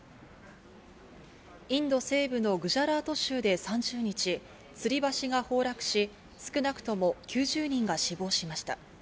インド西部のグジャラート州で３０日つり橋が崩落し、少なくとも９０人が死亡しました。